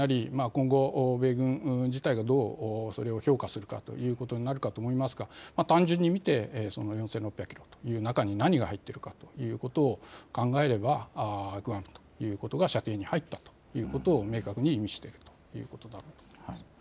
今後、米軍がそれをどう評価するかということになるかと思いますが単純に見て４６００キロという中に何が入っているかということを考えればグアムということが射程に入ったということを明確に示しているということだと思います。